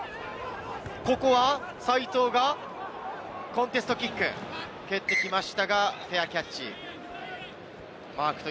ここは齋藤がコンテストキックを蹴ってきましたが、フェアキャッチ。